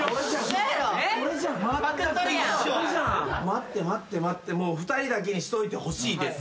待って待って待って２人だけにしといてほしいです。